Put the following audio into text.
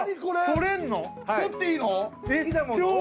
取っていいの？